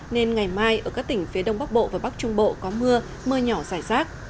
nên ngày mai ở các tỉnh phía đông bắc bộ và bắc trung bộ có mưa mưa nhỏ rải rác